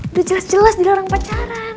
udah jelas jelas dilarang pacaran